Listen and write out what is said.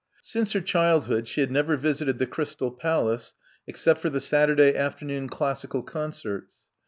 Since her childhood she had never visited the Crystal Palace except for the Saturday afternoon classical concerts.